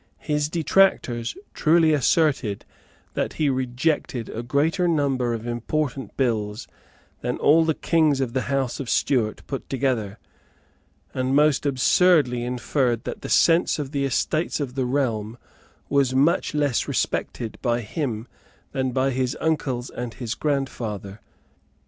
His detractors truly asserted that he rejected a greater number of important bills than all the Kings of the House of Stuart put together, and most absurdly inferred that the sense of the Estates of the Realm was much less respected by him than by his uncles and his grandfather.